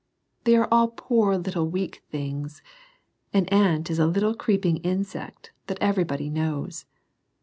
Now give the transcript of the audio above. They are all poor little weak things. An ant is a little creeping insect, that every body knows.